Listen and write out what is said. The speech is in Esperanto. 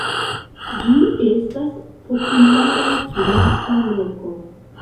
Ĝi estas populara turista loko.